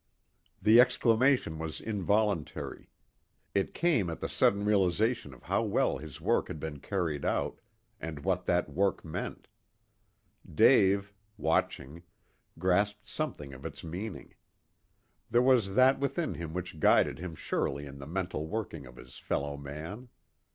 The exclamation was involuntary. It came at the sudden realization of how well his work had been carried out, and what that work meant. Dave, watching, grasped something of its meaning. There was that within him which guided him surely in the mental workings of his fellow man.